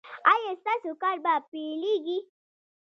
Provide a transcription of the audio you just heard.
ایا ستاسو کار به پیلیږي؟